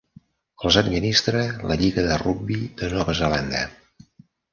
Els administra la lliga de rugbi de Nova Zelanda.